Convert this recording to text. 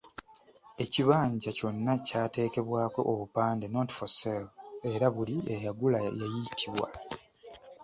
Ekibanja kyonna kyateekebwako obupande 'not for sale' era buli eyagula yayitibwa.